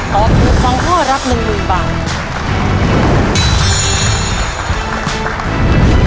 ตอบถูก๒ข้อรับ๑๐๐๐บาท